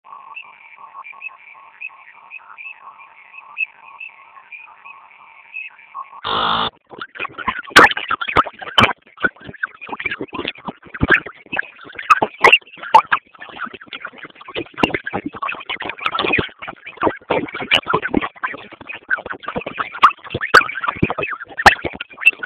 Mji mkuu wa Uganda ni miongoni mwa miji yenye hewa chafu ulimwenguni